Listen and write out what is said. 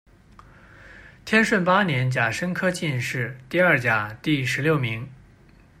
天顺八年甲申科进士第二甲第十六名。